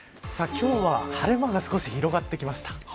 今日は晴れ間が少し広がってきました。